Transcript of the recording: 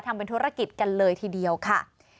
ทำเป็นธุรกิจกันเลยทีเดียวค่ะ